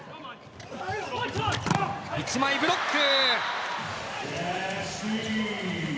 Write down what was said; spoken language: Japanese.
１枚ブロック。